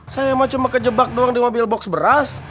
saya mau cuma kejebak doang di mobil box beras